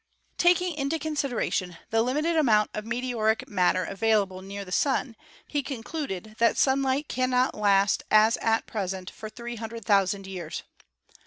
Taking into consideration the limited amount of meteoric matter available near the Sun, he concluded that "sunlight cannot last as at present for three hundred thousand years."